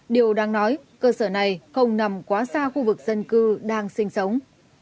điều đang nói cơ sở này không nằm quá xa khu vực dân cư đang sinh sống